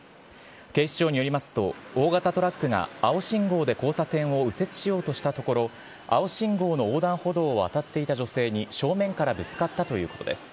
警視庁によりますと、大型トラックが青信号で交差点を右折しようとしたところ、青信号の横断歩道を渡っていた女性に正面からぶつかったということです。